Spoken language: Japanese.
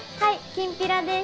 きんぴらです！